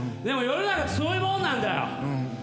でも世の中ってそういうもんなんだよ。